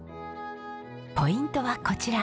ポイントはこちら。